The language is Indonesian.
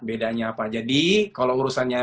bedanya apa jadi kalau urusannya